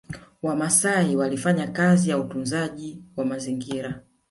Wamaasai walifanya kazi ya utunzaji wa mazingra